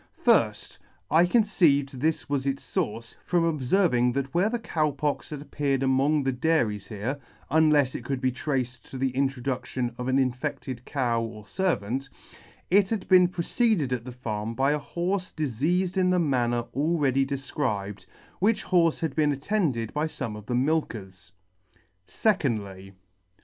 Firfh I conceived this was its fource, from obferving that where the Cow Pox had appeared among the dairies here (unlefs it could be traced to the introduction of an infected cow or fer vant) it had been preceded at the farm by a horfe difeafed in the manner already defcribed, which horfe had been attended by fome of the milkers. Secondly.